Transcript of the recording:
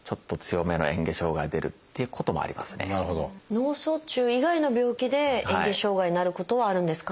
脳卒中以外の病気でえん下障害になることはあるんですか？